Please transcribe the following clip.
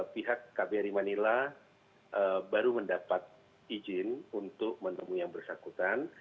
pihak kbri manila baru mendapat izin untuk menemui yang bersangkutan